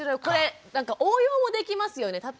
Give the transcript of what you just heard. これなんか応用もできますよね。